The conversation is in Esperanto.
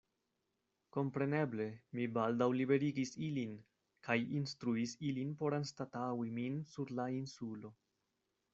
Kompreneble, mi baldaŭ liberigis ilin, kaj instruis ilin por anstataŭi min sur la insulo.